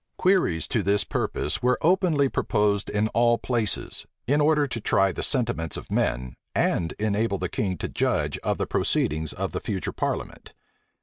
Queries to this purpose were openly proposed in all places, in order to try the sentiments of men, and enable the king to judge of the proceedings of the future parliament.